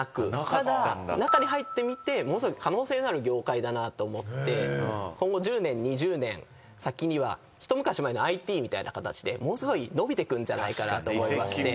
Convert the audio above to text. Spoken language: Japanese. ただ中に入ってみてものすごい可能性のある業界だなと思って今後１０年２０年先には一昔前のＩＴみたいな形でものすごい伸びてくんじゃないかなと思いまして。